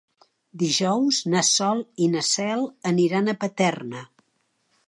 Dijous na Sol i na Cel aniran a Paterna.